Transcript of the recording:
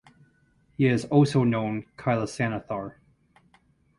He is also known Kailasanathar.